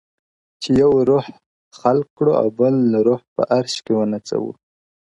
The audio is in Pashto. چي یو روح خلق کړو او بل روح په عرش کي ونڅوو؛